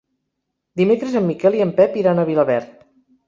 Dimecres en Miquel i en Pep iran a Vilaverd.